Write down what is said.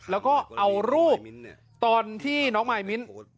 แล้วก็เอารูปตอนที่น้องมายมิ้น